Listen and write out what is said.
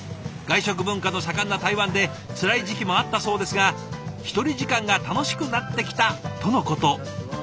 外食文化の盛んな台湾でつらい時期もあったそうですが１人時間が楽しくなってきたとのこと。